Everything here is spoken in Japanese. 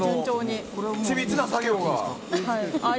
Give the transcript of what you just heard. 緻密な作業が。